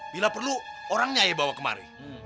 bila perlu orangnya yang bawa kemari